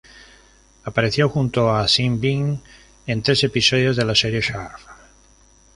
Apareció junto a Sean Bean en tres episodios de la serie "Sharpe".